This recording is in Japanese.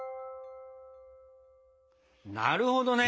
なるほどね。